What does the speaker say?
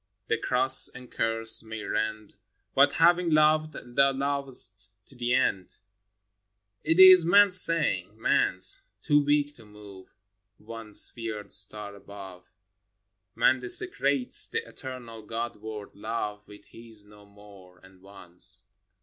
The cross and curse may rend; But, having loved, Thou lovest to the end ! It is man's saying — man's. Too weak to move One sphered star above, Man desecrates the eternal God word Love With his No More, and Once.